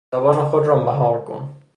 زبان خود را مهار کن!